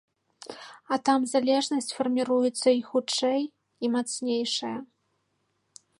А там залежнасць фарміруецца і хутчэй, і мацнейшая.